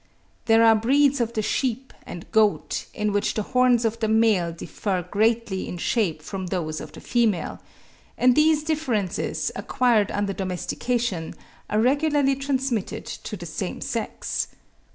There are breeds of the sheep and goat, in which the horns of the male differ greatly in shape from those of the female; and these differences, acquired under domestication, are regularly transmitted to the same sex.